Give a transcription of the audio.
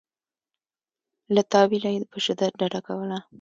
له تأویله یې په شدت ډډه کوله.